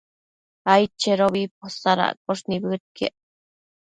aidchedobi posadosh nibëdquiec